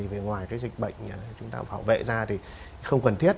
vì ngoài cái dịch bệnh chúng ta phòng bệ ra thì không cần thiết